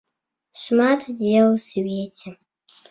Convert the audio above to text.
Шмат дзе ў свеце.